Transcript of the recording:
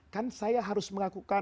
kan saya harus melakukan